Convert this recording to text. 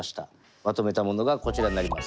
まとめたものがこちらになります。